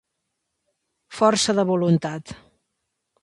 Força de voluntat.